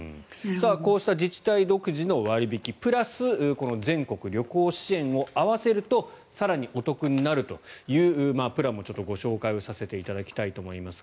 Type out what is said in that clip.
こうした自治体独自の割引プラスこの全国旅行支援を合わせると更にお得になるというプランもちょっとご紹介をさせていただきたいと思います。